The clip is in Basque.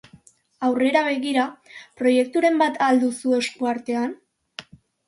Aurrera begira, proiekturen bat al duzu esku artean?